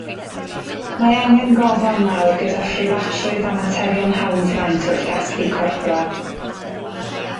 Mae angen gofal mawr gyda phreifatrwydd a materion hawlfraint wrth gasglu corpora.